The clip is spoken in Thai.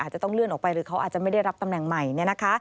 จะต้องเลื่อนออกไปหรือเขาอาจจะไม่ได้รับตำแหน่งใหม่